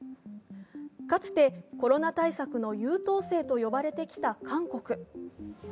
かつてコロナ対策の優等生と呼ばれてきた韓国。